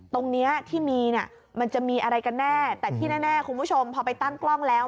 ตรงนี้ที่มีเนี่ยมันจะมีอะไรกันแน่แต่ที่แน่คุณผู้ชมพอไปตั้งกล้องแล้ว